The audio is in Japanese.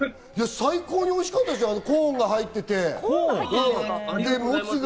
最高においしかったですよ、コーンが入ってて。